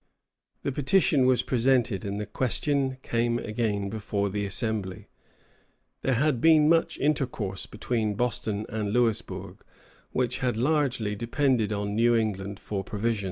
The petition was presented, and the question came again before the Assembly. There had been much intercourse between Boston and Louisbourg, which had largely depended on New England for provisions.